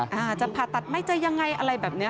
อาจจะผ่าตัดไหมจะยังไงอะไรแบบนี้